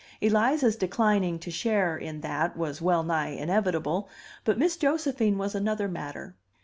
Eliza's declining to share in that was well nigh inevitable, but Miss Josephine was another matter.